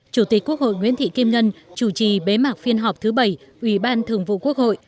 chủ tịch quốc hội nguyễn thị kim ngân chủ trì bế mạc phiên họp thứ bảy ubthqh